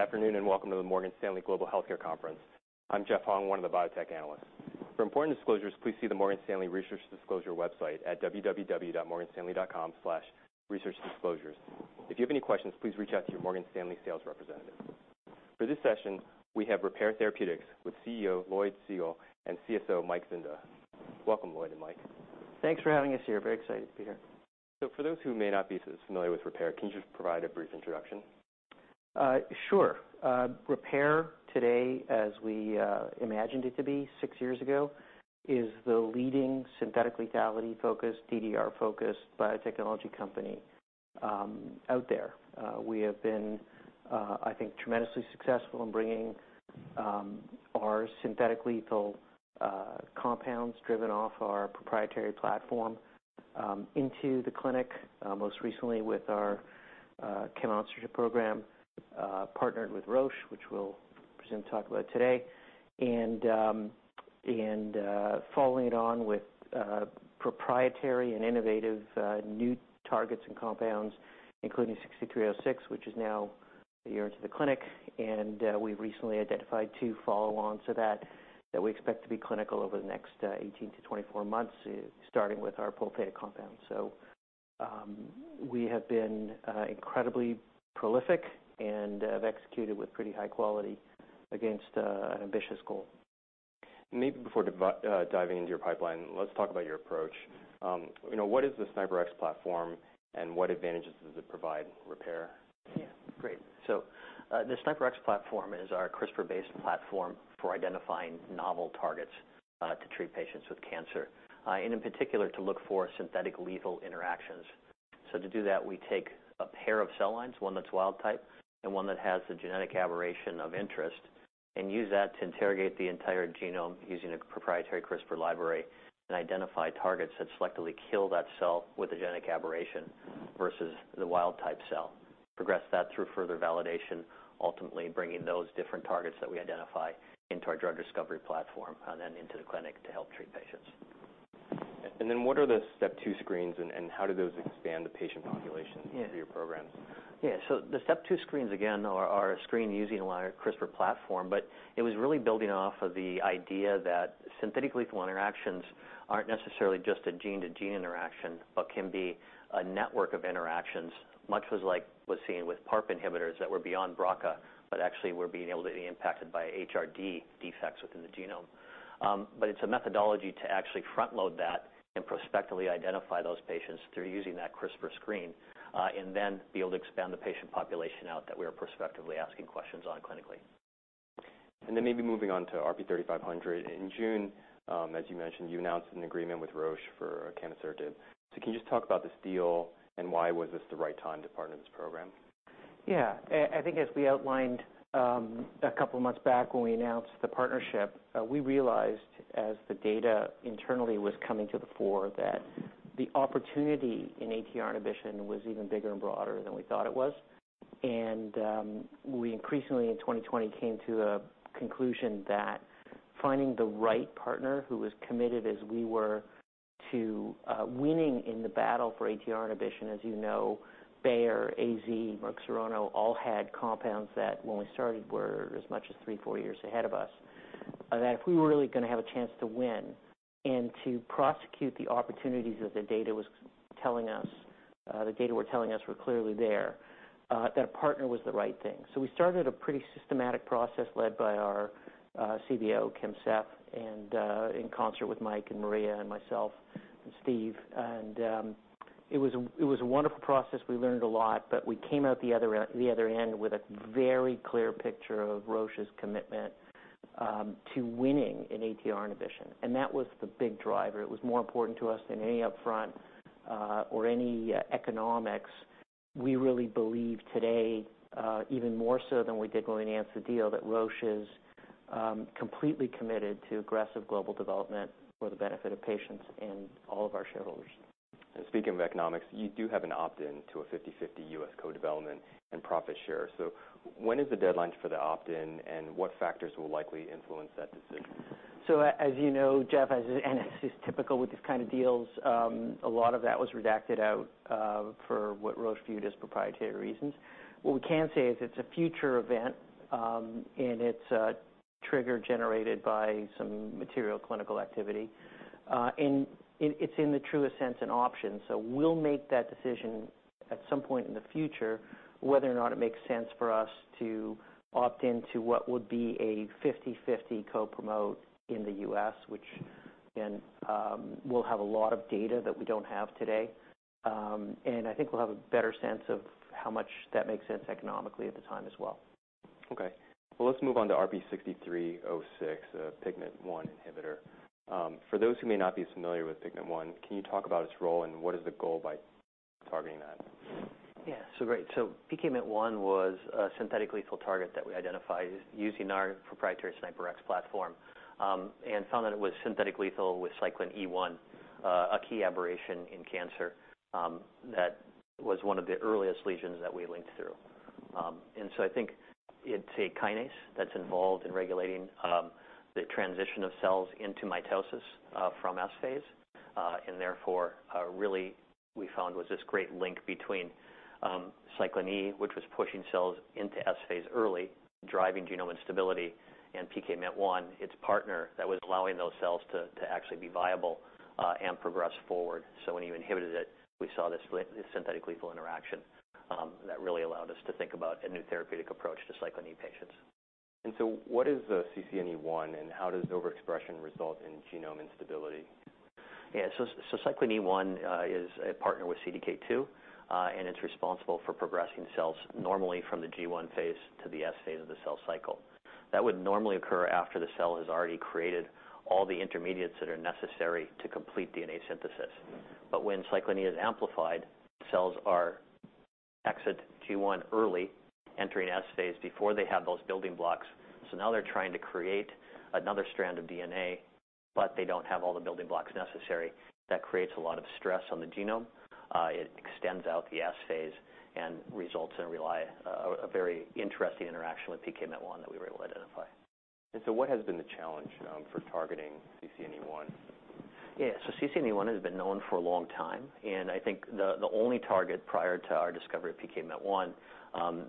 Good afternoon, and welcome to the Morgan Stanley Global Healthcare Conference. I'm Jeff Hung, one of the biotech analysts. For important disclosures, please see the Morgan Stanley Research Disclosure website at www.morganstanley.com/researchdisclosures. If you have any questions, please reach out to your Morgan Stanley sales representative. For this session, we have Repare Therapeutics with CEO Lloyd Segal and CSO Mike Zinda. Welcome, Lloyd and Mike. Thanks for having us here. Very excited to be here. For those who may not be so familiar with Repare, can you just provide a brief introduction? Sure. Repare today, as we imagined it to be six years ago, is the leading synthetic lethality-focused, DDR-focused biotechnology company out there. We have been, I think, tremendously successful in bringing our synthetic lethal compounds driven off our proprietary platform into the clinic, most recently with our camonsertib program partnered with Roche, which we'll present and talk about today. Following it on with proprietary and innovative new targets and compounds, including RP-6306, which is now a year into the clinic. We've recently identified two follow-ons to that we expect to be clinical over the next 18-24 months, starting with our Polθ compound. We have been incredibly prolific and have executed with pretty high quality against an ambitious goal. Maybe before diving into your pipeline, let's talk about your approach. You know, what is the SNIPRx platform, and what advantages does it provide Repare? Yeah, great. The SNIPRx platform is our CRISPR-based platform for identifying novel targets to treat patients with cancer, and in particular, to look for synthetic lethal interactions. To do that, we take a pair of cell lines, one that's wild type and one that has the genetic aberration of interest, and use that to interrogate the entire genome using a proprietary CRISPR library and identify targets that selectively kill that cell with a genetic aberration versus the wild type cell. Progress that through further validation, ultimately bringing those different targets that we identify into our drug discovery platform and then into the clinic to help treat patients. What are the step two screens and how do those expand the patient population? Yeah. For your programs? Yeah. The step two screens, again, are a screen using our CRISPR platform, but it was really building off of the idea that synthetic lethal interactions aren't necessarily just a gene-to-gene interaction, but can be a network of interactions, much like what was seen with PARP inhibitors that were beyond BRCA, but actually were being able to be impacted by HRD defects within the genome. It's a methodology to actually front-load that and prospectively identify those patients through using that CRISPR screen, and then be able to expand the patient population out that we are prospectively asking questions on clinically. Maybe moving on to RP-3500. In June, as you mentioned, you announced an agreement with Roche for camonsertib. Can you just talk about this deal and why was this the right time to partner this program? Yeah. I think as we outlined, a couple of months back when we announced the partnership, we realized as the data internally was coming to the fore, that the opportunity in ATR inhibition was even bigger and broader than we thought it was. We increasingly in 2020 came to a conclusion that finding the right partner who was committed as we were to winning in the battle for ATR inhibition. As you know, Bayer, AZ, Merck Serono, all had compounds that when we started were as much as three, four years ahead of us. That if we were really gonna have a chance to win and to prosecute the opportunities that the data were telling us were clearly there, that a partner was the right thing. We started a pretty systematic process led by our CBO, Kim Seth, and in concert with Mike and Maria and myself and Steve. It was a wonderful process. We learned a lot, but we came out the other end with a very clear picture of Roche's commitment to winning in ATR inhibition. That was the big driver. It was more important to us than any upfront or any economics. We really believe today, even more so than we did when we announced the deal, that Roche is completely committed to aggressive global development for the benefit of patients and all of our shareholders. Speaking of economics, you do have an opt-in to a 50/50 U.S. co-development and profit share. When is the deadline for the opt-in, and what factors will likely influence that decision? As you know, Jeff, and it's just typical with these kind of deals, a lot of that was redacted out for what Roche viewed as proprietary reasons. What we can say is it's a future event, and it's a trigger generated by some material clinical activity. It's in the truest sense an option. We'll make that decision at some point in the future, whether or not it makes sense for us to opt into what would be a 50/50 co-promote in the U.S., which then we'll have a lot of data that we don't have today. I think we'll have a better sense of how much that makes sense economically at the time as well. Okay. Well, let's move on to RP-6306, PKMYT1 inhibitor. For those who may not be familiar with PKMYT1, can you talk about its role and what is the goal by targeting that? PKMYT1 was a synthetic lethal target that we identified using our proprietary SNIPRx platform, and found that it was synthetic lethal with cyclin E1, a key aberration in cancer, that was one of the earliest lesions that we linked through. I think it's a kinase that's involved in regulating the transition of cells into mitosis from S phase. Therefore, really we found was this great link between cyclin E, which was pushing cells into S phase early, driving genome instability, and PKMYT1, its partner, that was allowing those cells to actually be viable and progress forward. When you inhibited it, we saw this synthetic lethal interaction that really allowed us to think about a new therapeutic approach to cyclin E patients. What is CCNE1, and how does overexpression result in genome instability? Yeah. Cyclin E1 is a partner with CDK2, and it's responsible for progressing cells normally from the G1 phase to the S phase of the cell cycle. That would normally occur after the cell has already created all the intermediates that are necessary to complete DNA synthesis. But when cyclin E is amplified, cells exit G1 early, entering S phase before they have those building blocks. So now they're trying to create another strand of DNA, but they don't have all the building blocks necessary. That creates a lot of stress on the genome. It extends out the S phase and results in a very interesting interaction with PKMYT1 that we were able to identify. What has been the challenge for targeting CCNE1? Yeah. CCNE1 has been known for a long time, and I think the only target prior to our discovery of PKMYT1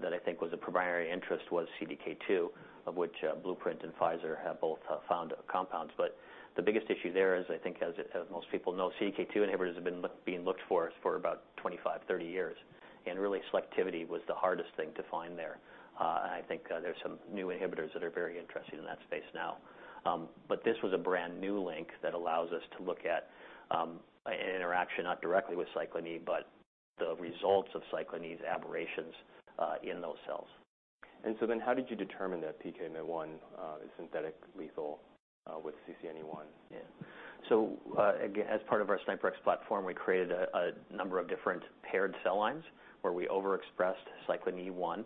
that I think was of primary interest was CDK2, of which Blueprint and Pfizer have both found compounds, but the biggest issue there is I think, as most people know, CDK2 inhibitors have been looked for for about 25, 30 years, and really selectivity was the hardest thing to find there. I think there's some new inhibitors that are very interesting in that space now. This was a brand-new link that allows us to look at a interaction not directly with cyclin E, but the results of cyclin E's aberrations in those cells. How did you determine that PKMYT1 is synthetic lethal with CCNE1? Yeah. Again, as part of our SNIPRx platform, we created a number of different paired cell lines where we overexpressed cyclin E1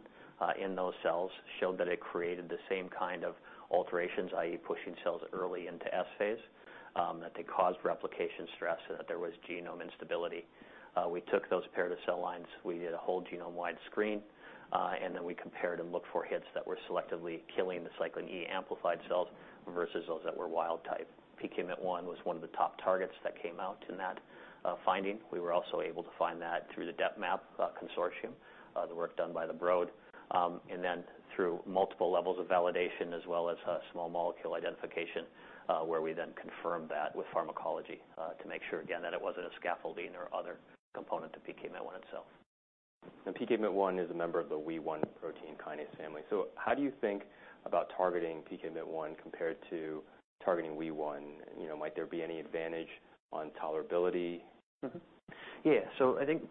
in those cells, showed that it created the same kind of alterations, i.e., pushing cells early into S phase, that they caused replication stress, so that there was genome instability. We took those pair of cell lines, we did a whole genome-wide screen, and then we compared and looked for hits that were selectively killing the cyclin E-amplified cells versus those that were wild type. PKMYT1 was one of the top targets that came out in that finding. We were also able to find that through the DepMap consortium, the work done by the Broad, and then through multiple levels of validation as well as a small molecule identification, where we then confirmed that with pharmacology, to make sure again that it wasn't a scaffolding or other component to PKMYT1 itself. PKMYT1 is a member of the WEE1 protein kinase family. How do you think about targeting PKMYT1 compared to targeting WEE1? You know, might there be any advantage on tolerability? I think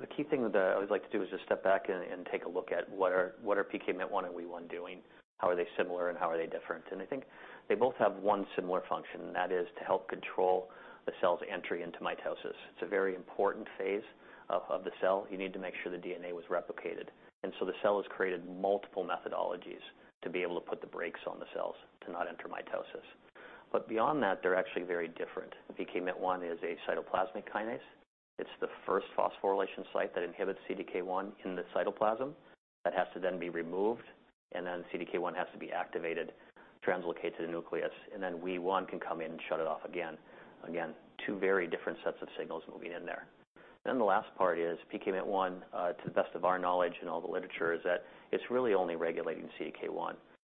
the key thing that I would like to do is just step back and take a look at what are PKMYT1 and WEE1 doing? How are they similar, and how are they different? I think they both have one similar function, and that is to help control the cell's entry into mitosis. It's a very important phase of the cell. You need to make sure the DNA was replicated. The cell has created multiple methodologies to be able to put the brakes on the cells to not enter mitosis. Beyond that, they're actually very different. PKMYT1 is a cytoplasmic kinase. It's the first phosphorylation site that inhibits CDK1 in the cytoplasm that has to then be removed, and then CDK1 has to be activated, translocated to the nucleus, and then WEE1 can come in and shut it off again. Again, two very different sets of signals moving in there. Then the last part is PKMYT1, to the best of our knowledge in all the literature, is that it's really only regulating CDK1,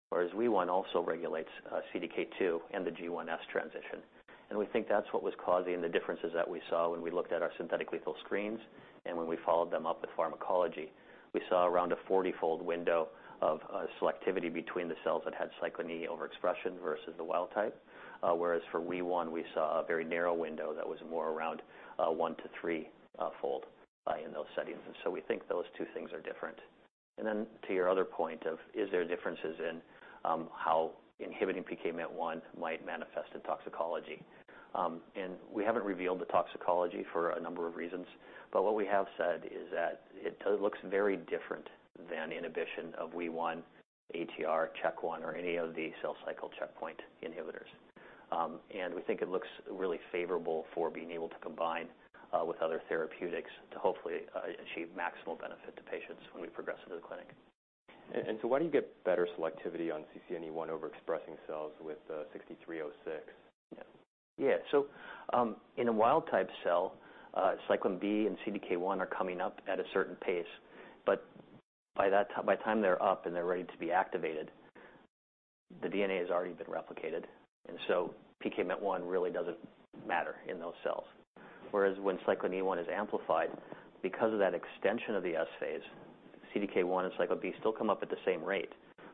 whereas WEE1 also regulates, CDK2 and the G1/S transition. We think that's what was causing the differences that we saw when we looked at our synthetic lethal screens and when we followed them up with pharmacology. We saw around a 40-fold window of selectivity between the cells that had cyclin E overexpression versus the wild type, whereas for WEE1, we saw a very narrow window that was more around one to three fold in those settings. We think those two things are different. To your other point of, is there differences in how inhibiting PKMYT1 might manifest in toxicology? We haven't revealed the toxicology for a number of reasons, but what we have said is that it looks very different than inhibition of WEE1, ATR, CHEK1, or any of the cell cycle checkpoint inhibitors. We think it looks really favorable for being able to combine with other therapeutics to hopefully achieve maximal benefit to patients when we progress into the clinic. Why do you get better selectivity on CCNE1 overexpressing cells with RP-6306? Yeah. In a wild-type cell, cyclin B and CDK1 are coming up at a certain pace. By that time, by the time they're up and they're ready to be activated, the DNA has already been replicated, and PKMYT1 really doesn't matter in those cells. Whereas when cyclin E1 is amplified, because of that extension of the S phase, CDK1 and cyclin B still come up at the same rate,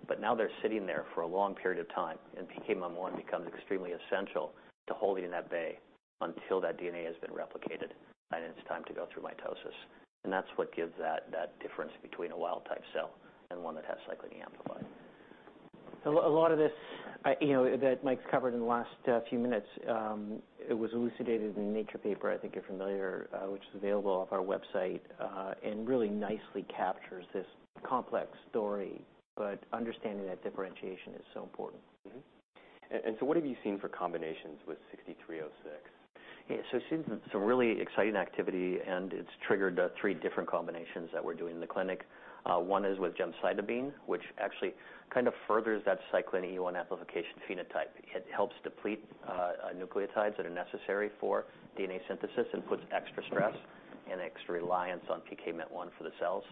but now they're sitting there for a long period of time, and PKMYT1 becomes extremely essential to holding them at bay until that DNA has been replicated and it's time to go through mitosis. That's what gives that difference between a wild type cell and one that has cyclin E amplified. A lot of this, you know, that Mike's covered in the last few minutes, it was elucidated in Nature paper, I think you're familiar, which is available off our website, and really nicely captures this complex story, but understanding that differentiation is so important. Mm-hmm. What have you seen for combinations with 6306? Yeah. It seems some really exciting activity, and it's triggered three different combinations that we're doing in the clinic. One is with gemcitabine, which actually kind of furthers that cyclin E1 amplification phenotype. It helps deplete nucleotides that are necessary for DNA synthesis and puts extra stress and extra reliance on PKMYT1 for the cells.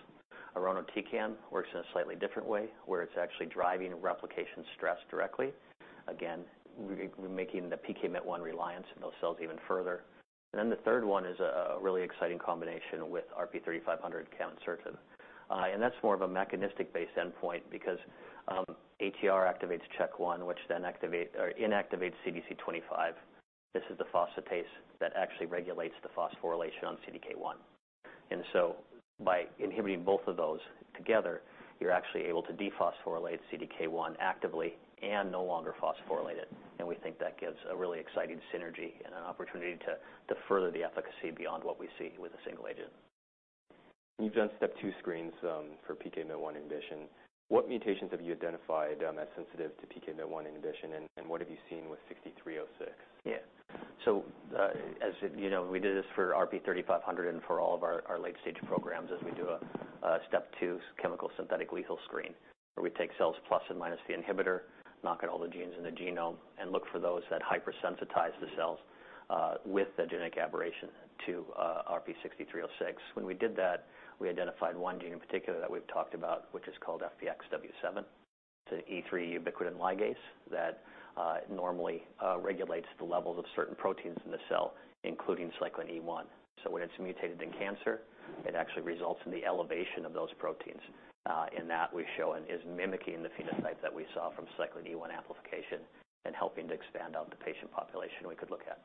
Irinotecan works in a slightly different way, where it's actually driving replication stress directly. Again, we're making the PKMYT1 reliance in those cells even further. The third one is a really exciting combination with RP-3500 camonsertib. That's more of a mechanistic base endpoint because ATR activates CHK1, which then activate or inactivates CDC25. This is the phosphatase that actually regulates the phosphorylation on CDK1. By inhibiting both of those together, you're actually able to dephosphorylate CDK1 actively and no longer phosphorylate it. We think that gives a really exciting synergy and an opportunity to further the efficacy beyond what we see with a single agent. You've done SNIPRx screens for PKMYT1 inhibition. What mutations have you identified as sensitive to PKMYT1 inhibition and what have you seen with RP-6306? Yeah. As you know, we did this for RP-3500 and for all of our late-stage programs as we do a step two chemical synthetic lethal screen, where we take cells plus and minus the inhibitor, knock out all the genes in the genome, and look for those that hypersensitize the cells with the genetic aberration to RP-6306. When we did that, we identified one gene in particular that we've talked about, which is called FBXW7. It's an E3 ubiquitin ligase that normally regulates the levels of certain proteins in the cell, including cyclin E1. When it's mutated in cancer, it actually results in the elevation of those proteins. that we've shown is mimicking the phenotype that we saw from cyclin E1 amplification and helping to expand out the patient population we could look at.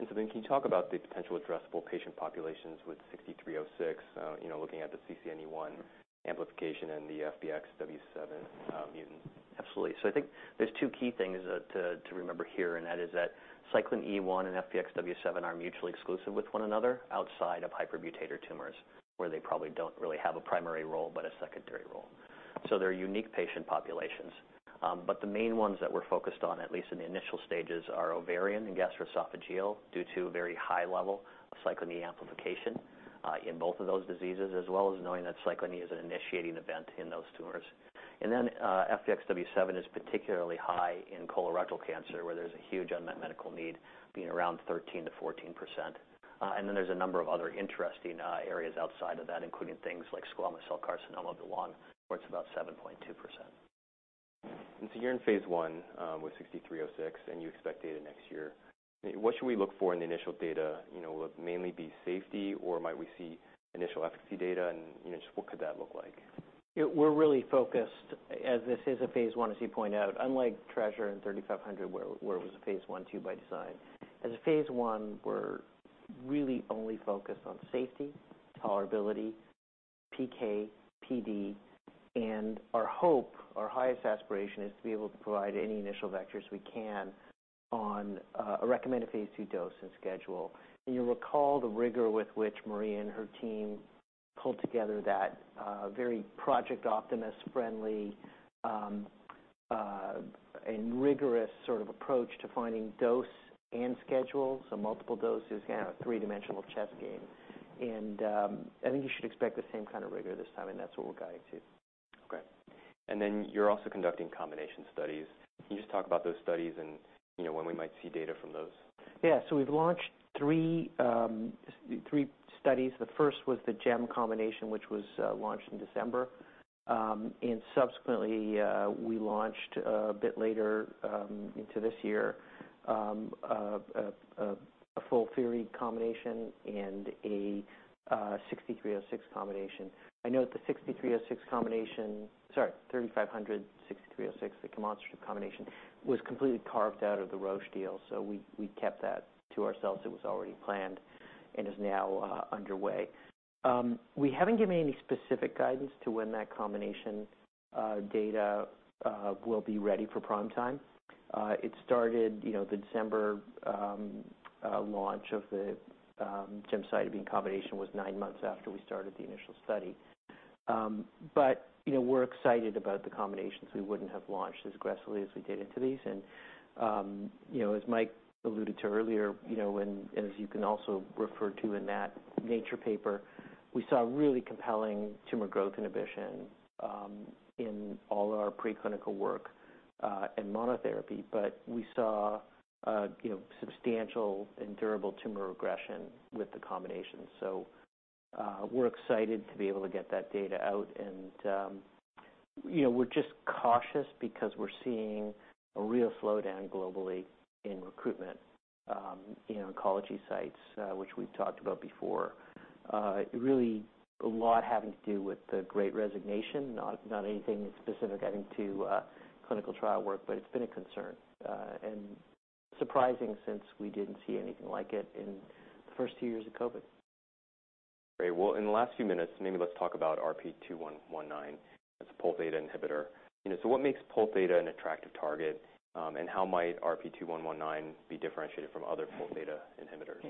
Can you talk about the potential addressable patient populations with 6306, you know, looking at the CCNE1 amplification and the FBXW7 mutant? Absolutely. I think there's two key things to remember here, and that is that cyclin E1 and FBXW7 are mutually exclusive with one another outside of hypermutator tumors, where they probably don't really have a primary role, but a secondary role. They're unique patient populations. But the main ones that we're focused on, at least in the initial stages, are ovarian and gastroesophageal due to a very high level of cyclin E amplification in both of those diseases, as well as knowing that cyclin E is an initiating event in those tumors. FBXW7 is particularly high in colorectal cancer, where there's a huge unmet medical need being around 13%-14%. There's a number of other interesting areas outside of that, including things like squamous cell carcinoma of the lung, where it's about 7.2%. You're in phase I with RP-6306, and you expect data next year. What should we look for in the initial data? You know, will it mainly be safety, or might we see initial efficacy data? And you know, just what could that look like? We're really focused as this is a phase I, as you point out, unlike TRESR and 3500 where it was a phase 1/2 by design. As a phase I, we're really only focused on safety, tolerability, PK/PD, and our hope, our highest aspiration is to be able to provide any initial vectors we can on a recommended phase II dose and schedule. You'll recall the rigor with which Marie and her team pulled together that very Project Optimus friendly and rigorous sort of approach to finding dose and schedule. Multiple doses in a three-dimensional chess game. I think you should expect the same kind of rigor this time, and that's what we're guiding to. Okay. You're also conducting combination studies. Can you just talk about those studies and, you know, when we might see data from those? Yeah. We've launched three studies. The first was the GEM combination, which was launched in December. Subsequently, we launched a bit later into this year a Pol theta combination and a RP-6306 combination. I know that the RP-6306 combination, sorry, RP-3500 RP-6306. The combination was completely carved out of the Roche deal, so we kept that to ourselves. It was already planned and is now underway. We haven't given any specific guidance to when that combination data will be ready for prime time. It started, you know, the December launch of the gemcitabine combination was nine months after we started the initial study. You know, we're excited about the combinations. We wouldn't have launched as aggressively as we did into these. You know, as Mike alluded to earlier, you know, and as you can also refer to in that Nature paper, we saw really compelling tumor growth inhibition in all our preclinical work and monotherapy. We saw, you know, substantial and durable tumor regression with the combination. We're excited to be able to get that data out and, you know, we're just cautious because we're seeing a real slowdown globally in recruitment in oncology sites, which we've talked about before. Really a lot having to do with the Great Resignation, not anything specific having to clinical trial work, but it's been a concern and surprising since we didn't see anything like it in the first two years of COVID. Great. Well, in the last few minutes, maybe let's talk about RP-2119 as a Polθ inhibitor. You know, what makes Pol theta an attractive target, and how might RP-2119 be differentiated from other Polθ inhibitors?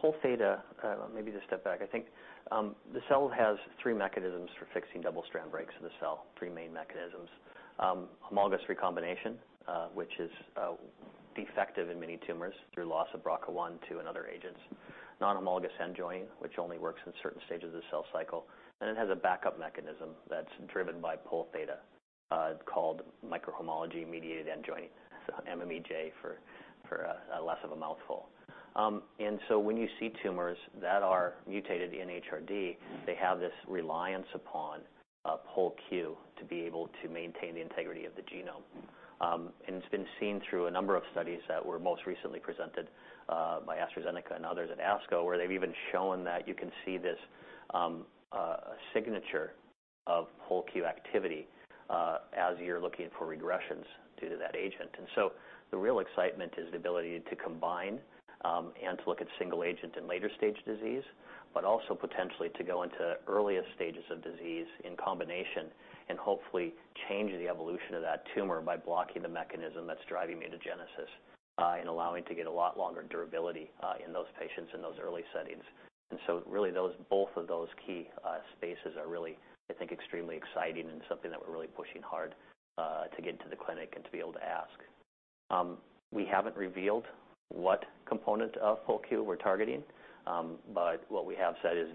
Polθ, maybe to step back, I think, the cell has three mechanisms for fixing double-strand breaks in the cell, three main mechanisms. Homologous recombination, which is defective in many tumors through loss of BRCA1, two, and other agents. Non-homologous end joining, which only works in certain stages of the cell cycle. It has a backup mechanism that's driven by Polθ, called microhomology-mediated end joining, MMEJ for less of a mouthful. When you see tumors that are mutated in HRD, they have this reliance upon POLQ to be able to maintain the integrity of the genome. It's been seen through a number of studies that were most recently presented by AstraZeneca and others at ASCO, where they've even shown that you can see this signature of POLQ activity as you're looking for regressions due to that agent. The real excitement is the ability to combine and to look at single agent in later stage disease, but also potentially to go into earliest stages of disease in combination and hopefully changing the evolution of that tumor by blocking the mechanism that's driving mutagenesis and allowing to get a lot longer durability in those patients in those early settings. Really those both of those key spaces are really, I think, extremely exciting and something that we're really pushing hard to get into the clinic and to be able to ask. We haven't revealed what component of Polθ we're targeting. But what we have said is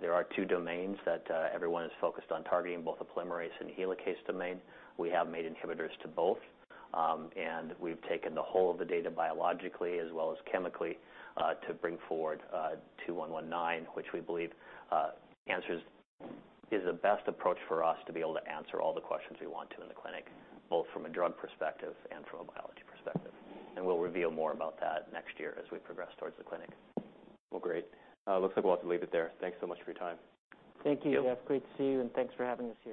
there are two domains that everyone is focused on targeting, both the polymerase and helicase domain. We have made inhibitors to both. We've taken the whole of the data biologically as well as chemically to bring forward 2119, which we believe is the best approach for us to be able to answer all the questions we want to in the clinic, both from a drug perspective and from a biology perspective. We'll reveal more about that next year as we progress towards the clinic. Well, great. Looks like we'll have to leave it there. Thanks so much for your time. Thank you, Jeff Hung. Great to see you, and thanks for having us here.